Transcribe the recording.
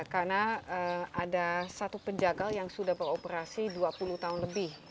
karena ada satu penjagal yang sudah beroperasi dua puluh tahun lebih